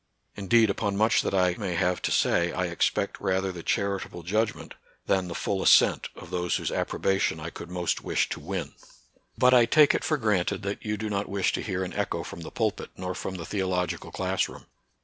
Indeed upon much that I may have to say, I expect rather the chari table judgment than the full assent of those whose approbation I could most wish to win. But I take it for granted' that you do not wish to hear an echo from the pulpit nor from the theological class room.